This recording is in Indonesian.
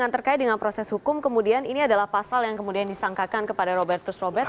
terkait dengan proses hukum kemudian ini adalah pasal yang kemudian disangkakan kepada robertus robert